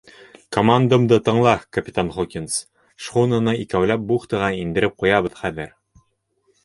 Командамды тыңла, капитан Хокинс, шхунаны икәүләп бухтаға индереп ҡуябыҙ хәҙер.